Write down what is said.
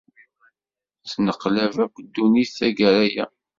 Tenneqlab akk ddunit taggara-a.